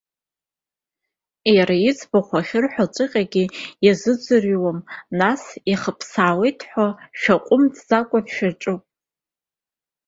Иара аӡбахә ахьиҳәоҵәҟьагьы иазыӡырҩуам, нас ихԥсаауеит ҳәа шәааҟәымҵӡакәа шәаҿуп.